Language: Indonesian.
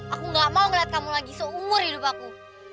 aku gak mau ngeliat kamu lagi seumur hidup aku